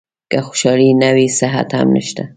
که خوشالي نه وي صحت هم نشته .